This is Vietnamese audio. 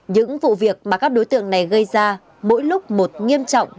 những vụ việc mà các đối tượng này gây ra mỗi lúc một nghiêm trọng